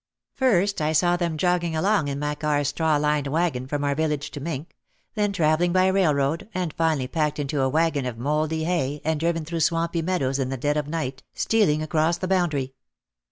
First I saw them jogging along in Makar's straw lined wagon from our village to Mintck, then travelling by railroad and finally packed into a wagon of mouldy hay and driven through swampy meadows in the dead of night, stealing across the boundary.